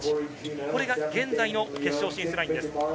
これが現在の決勝進出ラインです。